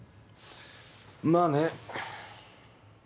まあね。